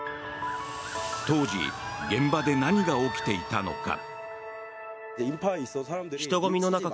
当時、現場で何が起きていたのか。